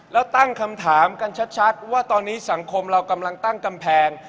แล้วตั้งคำถามกันชัดว่าตอนนี้สังคมเรากำลังตั้งกำแพง